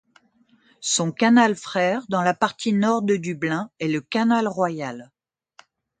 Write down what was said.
Son canal frère dans la partie nord de Dublin est le Canal Royal.